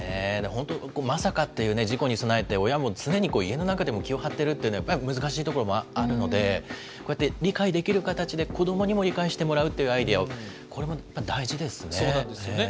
本当、まさかっていう事故に備えて、親も常に家の中でも気を張っているというのはやっぱり難しいところもあるので、こうやって理解できる形で、子どもにも理解してもらうというアイデアを、これ大事ですね。